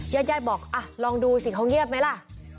ญาติญาติบอกลองดูสิเขาเงียบไหมล่ะ